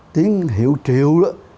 tiếng hiệu triệu đó